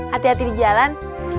hati hati di jalan